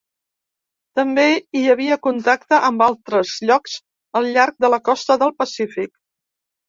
També hi havia contacte amb altres llocs al llarg de la costa del Pacífic.